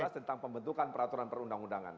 tentang pembentukan peraturan perundang undangan